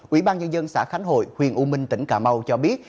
ủy ban nhân dân xã khánh hội huyện u minh tỉnh cà mau cho biết